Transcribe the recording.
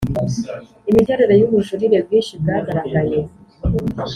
Imiterere y ubujurire bwinshi bwagaragaye